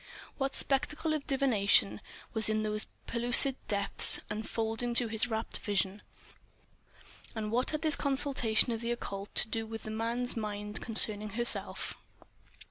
What spectacle of divination was in those pellucid depths unfolding to his rapt vision? And what had this consultation of the occult to do with the man's mind concerning herself?